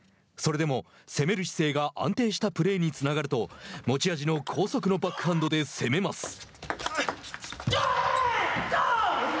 それでも、攻める姿勢が安定したプレーにつながると持ち味の高速のバックハンドで攻めます。